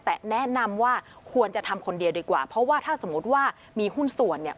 แต่แนะนำว่าควรจะทำคนเดียวดีกว่าเพราะว่าถ้าสมมุติว่ามีหุ้นส่วนเนี่ย